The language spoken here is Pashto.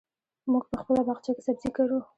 موږ په خپل باغچه کې سبزي کرو.